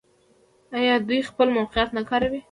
آیا دوی خپل موقعیت نه کاروي؟